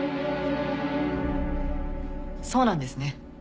そうなんですね。